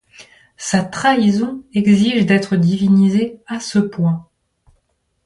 Sa trahison exige d'être divinisée à ce point.